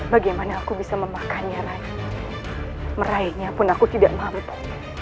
bagaimana aku bisa memakannya lagi meraihnya pun aku tidak mampu